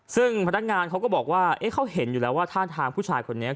ซึ่งพนักงานเขาก็บอกว่าเขาเห็นอยู่แล้วว่าท่าทางผู้ชายคนนี้